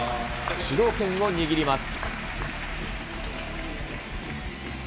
主導権を握ります。